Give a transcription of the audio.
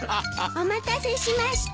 お待たせしました。